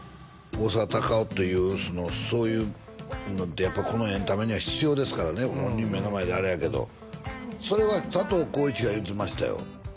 大沢たかおというそういうのってやっぱこのエンタメには必要ですからね本人目の前にあれやけどそれは佐藤浩市が言ってましたよ